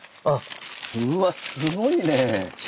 うわっすごいね。